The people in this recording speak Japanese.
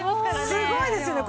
すごいですよね。